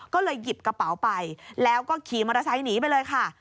ก็เลยหยิบกระเป๋าไปแล้วก็ขี่มอเตอร์ไซค์หนีไปเลยค่ะ